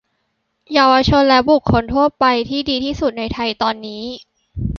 เยาวชนและบุคคลทั่วไป ที่ดีที่สุดในไทยตอนนี้